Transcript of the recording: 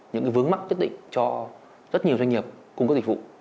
những cái vướng mắc chất định cho rất nhiều doanh nghiệp cung cấp dịch vụ